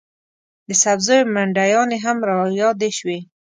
د سبزیو منډیانې هم رایادې شوې.